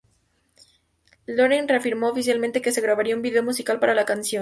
Loreen confirmó oficialmente que se grabaría un vídeo musical para la canción.